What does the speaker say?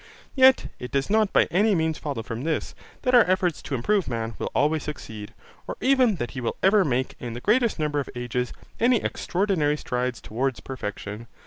Yet it does not by any means follow from this, that our efforts to improve man will always succeed, or even that he will ever make, in the greatest number of ages, any extraordinary strides towards perfection.